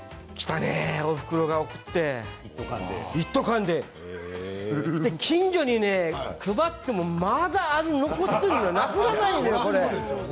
一斗缶でおふくろが送って一斗缶で近所に配ってもまだ残っているのなくならないのこれ。